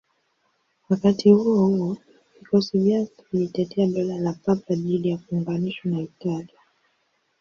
Wakati huo huo, vikosi vyake vilitetea Dola la Papa dhidi ya kuunganishwa na Italia.